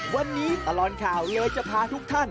วันนี้ตลอดข่าวเลยจะพาทุกท่าน